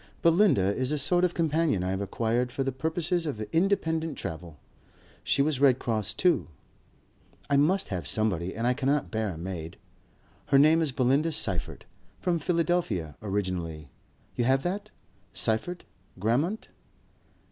Belinda is a sort of companion I have acquired for the purposes of independent travel. She was Red Cross too. I must have somebody and I cannot bear a maid. Her name is Belinda Seyffert. From Philadelphia originally. You have that? Seyffert, Grammont?"